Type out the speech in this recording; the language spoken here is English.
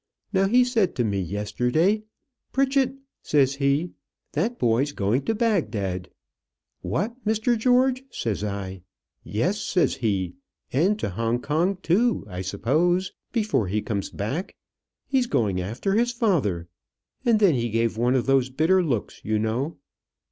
Now, he said to me yesterday, 'Pritchett,' says he, 'that boy's going to Bagdad.' 'What! Mr. George?' says I. 'Yes,' says he; 'and to Hong Kong too, I suppose, before he comes back: he's going after his father;' and then he gave one of those bitter looks, you know.